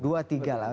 dua tiga lah